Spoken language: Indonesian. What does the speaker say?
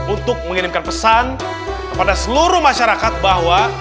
untuk mengirimkan pesan kepada seluruh masyarakat bahwa